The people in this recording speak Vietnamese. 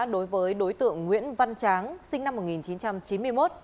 đối với đối tượng nguyễn văn tráng sinh năm một nghìn chín trăm chín mươi một